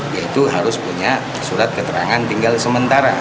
ya itu harus punya surat keterangan tinggal sementara